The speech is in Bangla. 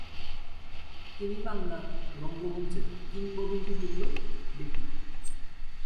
তিনি বাংলা রঙ্গমঞ্চের কিংবদন্তিতৃল্য ব্যক্তিত্ব।